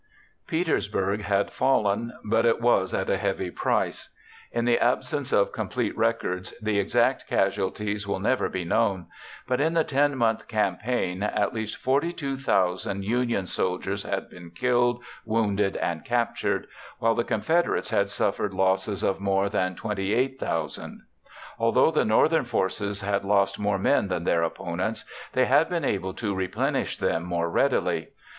Petersburg had fallen, but it was at a heavy price. In the absence of complete records, the exact casualties will never be known, but in the 10 month campaign at least 42,000 Union soldiers had been killed, wounded, and captured, while the Confederates had suffered losses of more than 28,000. Although the northern forces had lost more men than their opponents, they had been able to replenish them more readily.